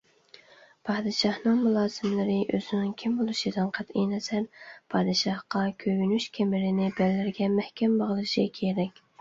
پادىشاھنىڭ مۇلازىملىرى ئۆزىنىڭ كىم بولۇشىدىن قەتئىينەزەر، پادىشاھقا كۆيۈنۈش كەمىرىنى بەللىرىگە مەھكەم باغلىشى كېرەك.